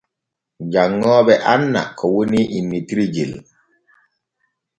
Janŋooɓe anna ko woni innitirgel.